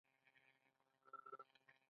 ډاکټر صېبې زما په نس کوچینی دی